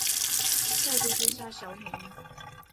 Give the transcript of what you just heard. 再度生下小女婴